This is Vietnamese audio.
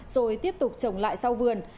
rồi tiếp tục trồng lại sau vườn